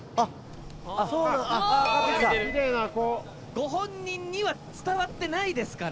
ご本人には伝わってないですから。